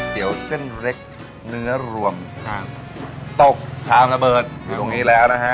เตี๋ยวเส้นเล็กเนื้อรวมตกชามระเบิดอยู่ตรงนี้แล้วนะฮะ